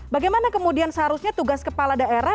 bagaimana kemudian seharusnya tugas kepala daerah